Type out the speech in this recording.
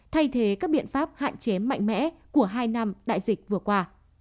thay thế các biện pháp hạn chế mạnh mẽ của hai năm đại dịch vừa qua